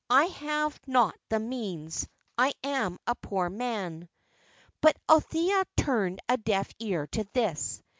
I have not the means. I am a poor man." But Althea turned a deaf ear to this.